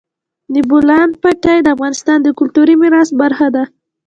د بولان پټي د افغانستان د کلتوري میراث برخه ده.